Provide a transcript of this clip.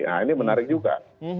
nah ini menarik juga